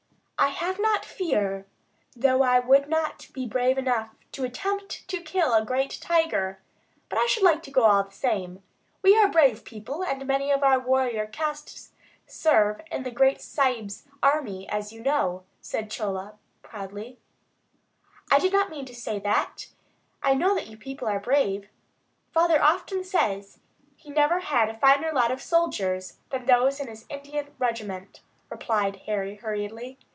"I have not fear, though I would not be brave enough to attempt to kill a great tiger; but I should like to go all the same. We are brave people, and many of our warrior caste serve in the great Sahib's army, as you know," said Chola, proudly. "I did not mean to say that. I know you people are brave. Father often says he never had a finer lot of soldiers than those in his Indian regiment," replied Harry, hurriedly.